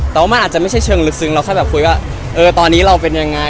แต่ว่ามันอาจจะไม่ใช่เชิงลึกซึ้งเราแค่แบบคุยว่าเออตอนนี้เราเป็นยังไง